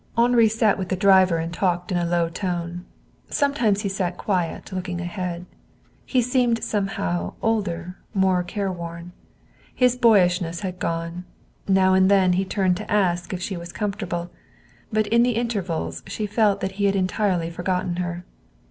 Henri sat with the driver and talked in a low tone. Sometimes he sat quiet, looking ahead. He seemed, somehow, older, more careworn. His boyishness had gone. Now and then he turned to ask if she was comfortable, but in the intervals she felt that he had entirely forgotten her.